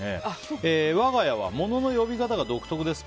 我が家は物の呼び方が独特です。